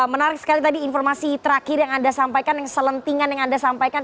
menarik sekali tadi informasi terakhir yang anda sampaikan yang selentingan yang anda sampaikan